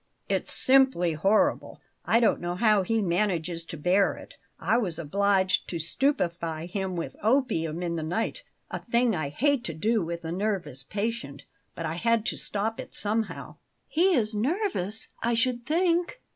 "It's simply horrible; I don't know how he manages to bear it. I was obliged to stupefy him with opium in the night a thing I hate to do with a nervous patient; but I had to stop it somehow." "He is nervous, I should think."